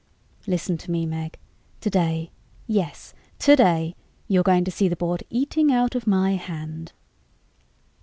"Listen to me, Meg. Today yes, today! you're going to see the Board eating out of my hand."